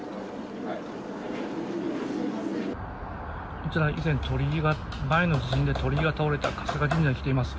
こちら、前の地震で鳥居が倒れた春日神社に来ています。